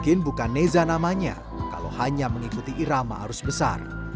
mungkin bukan neza namanya kalau hanya mengikuti irama arus besar